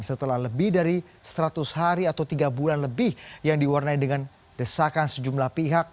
setelah lebih dari seratus hari atau tiga bulan lebih yang diwarnai dengan desakan sejumlah pihak